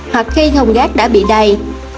hoặc khi hùng rác đã bị đầy